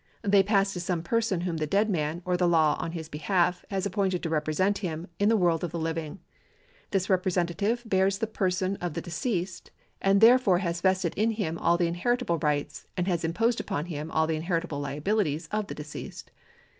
The}' pass to some person whom the dead man, or the law on his behalf, has appointed to represent him in the world of the living. This representative bears the person of the deceased, and therefore has vested in him all the inheritable rights, and has imposed upon him all the inheritable liabilities of the deceased.